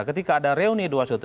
ketika ada reuni dua satu dua